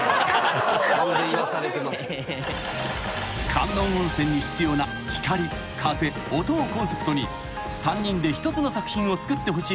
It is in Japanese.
［観音温泉に必要な光風音をコンセプトに３人で一つの作品を作ってほしいという新たな依頼］